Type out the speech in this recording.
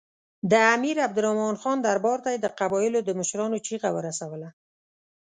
د امیر عبدالرحمن خان دربار ته یې د قبایلو د مشرانو چیغه ورسوله.